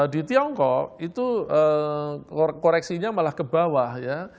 di tiongkok itu koreksinya malah ke bawah ya